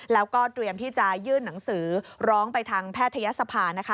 แล้วก็เตรียมที่จะยื่นหนังสือร้องไปทางแพทยศภานะคะ